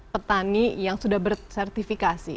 petani yang sudah bersertifikasi